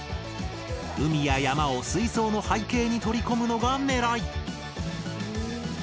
海や山を水槽の背景に取り込むのがねらい。